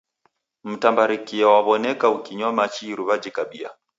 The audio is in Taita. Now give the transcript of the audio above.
Mtambakaria waw'oneka ikunywa machi iruw'a jikabia.